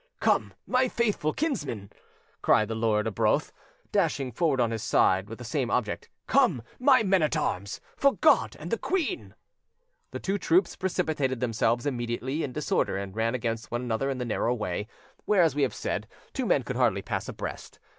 "Come, my faithful kinsmen!" cried Lord Arbroath, dashing forward on his side with the same object; "come, my men at arms! For God and the queen!" The two troops precipitated themselves immediately in disorder and ran against one another in the narrow way, where, as we have said, two men could hardly pass abreast.